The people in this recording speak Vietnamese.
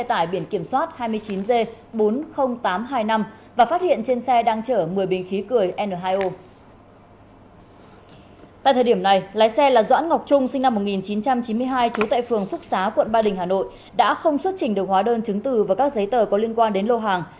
tại thời điểm này lái xe là doãn ngọc trung sinh năm một nghìn chín trăm chín mươi hai trú tại phường phúc xá quận ba đình hà nội đã không xuất trình được hóa đơn chứng từ và các giấy tờ có liên quan đến lô hàng